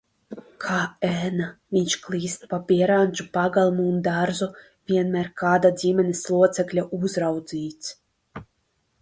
Kā ēna viņš klīst pa Bierandžu pagalmu un dārzu, vienmēr kāda ģimenes locekļa uzraudzīts.